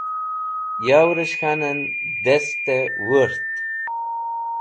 yew'resh k̃hanen dest wurt